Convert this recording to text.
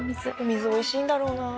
水、おいしいんだろうなぁ。